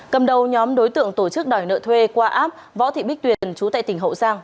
cầm đầu nhóm đối tượng tổ chức đòi nợ thuê qua app võ thị bích tuyền chú tại tỉnh hậu giang